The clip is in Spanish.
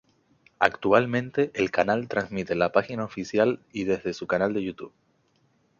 Actualmente el canal transmite la página oficial y desde su canal de Youtube.